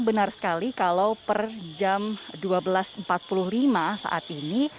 benar sekali kalau per jam dua belas empat puluh lima saat ini